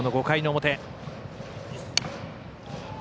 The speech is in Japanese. ５回の表。